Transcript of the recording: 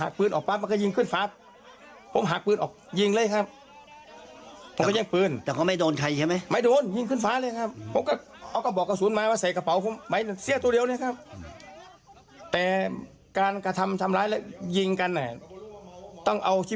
ก็แย่งปืนมาได้ก็เลยแจ้งตำรวจ